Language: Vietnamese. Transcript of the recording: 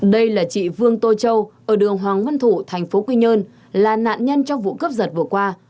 đây là chị vương tô châu ở đường hoàng văn thủ thành phố quy nhơn là nạn nhân trong vụ cướp giật vừa qua